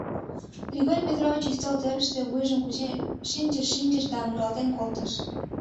Григорий Петрович ӱстел тӧрыштӧ вуйжым кучен шинчыш-шинчыш да муралтен колтыш: